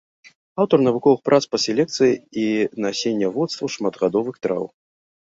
Аўтар навуковых прац па селекцыі і насенняводству шматгадовых траў.